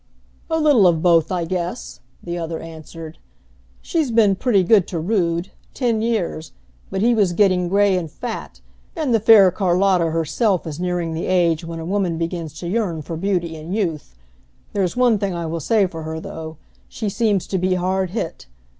"A little of both, I guess," the other answered. "She's been pretty good to Rood ten years but he was getting gray and fat, and the fair Carlotta herself is nearing the age when a woman begins to yearn for beauty and youth. There's one thing I will say for her, though, she seems, to be hard hit.